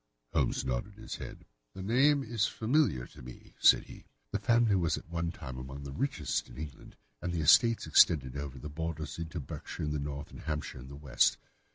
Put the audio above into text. Holmes nodded his head. "The name is familiar to me," said he. "The family was at one time among the richest in England, and the estates extended over the borders into Berkshire in the north, and Hampshire in the west.